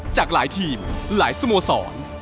จากหลายทีมหลายสโมสร